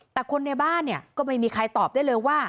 แต่คนในบ้านเนี่ยก็ไม่มีใครตอบได้เลยว่า